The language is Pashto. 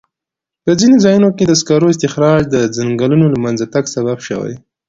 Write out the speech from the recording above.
په ځینو ځایونو کې د سکرو استخراج د ځنګلونو له منځه تګ سبب شوی.